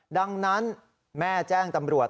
ดังนั้นแม่แจ้งตำรวจ